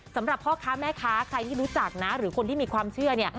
สำหรับพ่อค้าแม่ค้าใครที่รู้จักนะหรือคนที่มีความเชื่อเนี่ย